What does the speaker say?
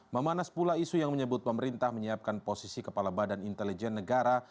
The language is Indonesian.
memanas pula isu yang menyebut pemerintah menyiapkan posisi kepala badan intelijen negara